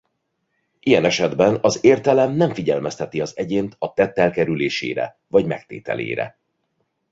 Ilyen estben az értelem nem figyelmezteti az egyént a tett elkerülésére vagy megtételére.